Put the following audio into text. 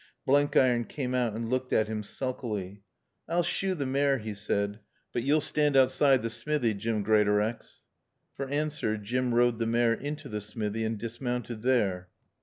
Blenkiron came out and looked at him sulkily. "I'll shoe t' maare," he said, "but yo'll stand outside t' smithy, Jim Greatorex." For answer Jim rode the mare into the smithy and dismounted there.